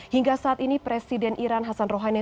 hingga saat ini presiden iran hassan rouhani